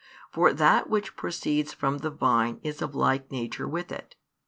For that which proceeds from the vine is of like nature with it.